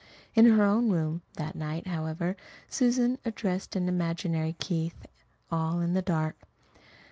In her own room that night, however, Susan addressed an imaginary Keith, all in the dark.